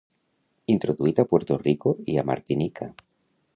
Introduït a Puerto Rico i a Martinica.